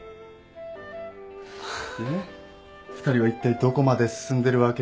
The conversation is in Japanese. で２人はいったいどこまで進んでるわけ？